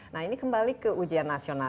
nah ini kembali ke ujian nasional